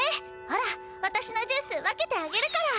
ほらわたしのジュース分けてあげるから！